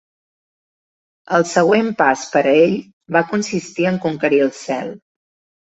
El següent pas per a ell va consistir en conquerir el cel.